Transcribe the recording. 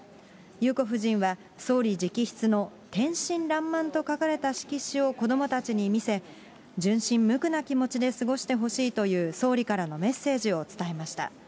裕子夫人は、総理直筆の天真爛漫と書かれた色紙を子どもたちに見せ、純真むくな気持ちで過ごしてほしいという総理からのメッセージを伝えました。